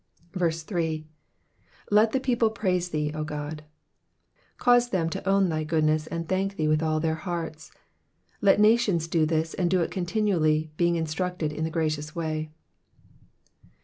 3. Let the people praise thee, 0 God,'''* Cause them to own thy goodness and thank thee with all their hearts ; let nations do this, and do it continually, being instructed in thy gracious way.